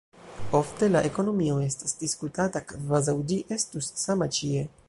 Ofte la ekonomio estas diskutata kvazaŭ ĝi estus sama ĉie.